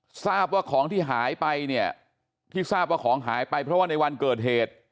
ทราบว่าของที่หายไปเนี่ยที่ทราบว่าของหายไปเพราะว่าในวันเกิดเหตุ